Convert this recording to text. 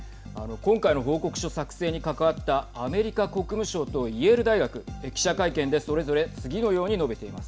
今回の報告書作成に関わったアメリカ国務省とイェール大学記者会見でそれぞれ次のように述べています。